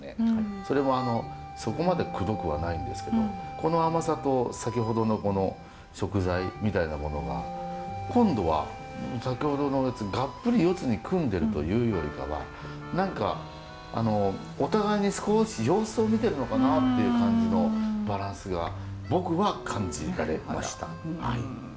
それもあのそこまでくどくはないんですけどこの甘さと先ほどのこの食材みたいなものが今度は先ほどのようにがっぷり四つに組んでるというよりかは何かお互いに少し様子を見てるのかなっていう感じのバランスが僕は感じられましたはい。